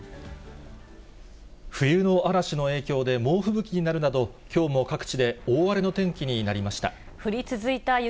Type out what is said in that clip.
冬の嵐の影響で猛吹雪になるなど、きょうも各地で大荒れの天気になりました。